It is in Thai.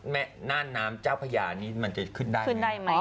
น่านน้ำเจ้าพญานี้มันจะขึ้นได้ไหม